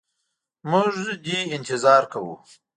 موږ دي انتظار کوو.